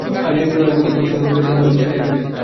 আর্জেন্টিনাও এর মধ্যে কোচ হোর্হে সাম্পাওলিকে ছাঁটাই করেছে।